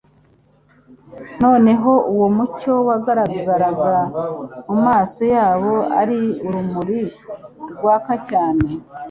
noneho uwo mucyo wagaragaraga mu maso yabo ari urumuri rwaka cyane.